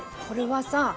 これはさ。